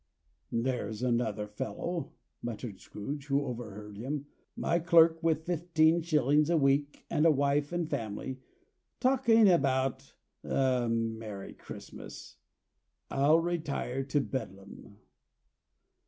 "There's another fellow," muttered Scrooge; who overheard him: "my clerk, with fifteen shillings a week, and a wife and family, talking about a merry Christmas. I'll retire to Bedlam."